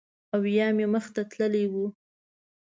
او یا مې مخ ته تللی و